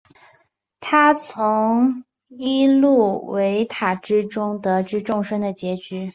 他从伊露维塔之中得知众生的结局。